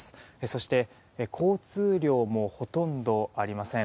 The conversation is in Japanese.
そして、交通量もほとんどありません。